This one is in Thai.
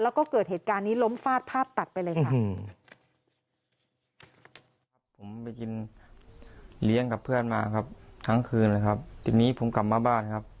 แล้วก็เกิดเหตุการณ์นี้ล้มฟาดภาพตัดไปเลยค่ะ